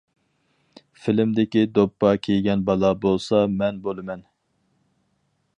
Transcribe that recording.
فىلىمدىكى دوپپا كىيگەن بالا بولسا مەن بولىمەن.